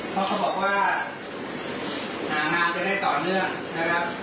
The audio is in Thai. เขาก็บอกว่างานจะได้ต่อเนื่องนะครับ